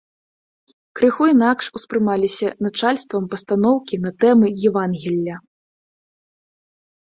Крыху інакш успрымаліся начальствам пастаноўкі на тэмы евангелля.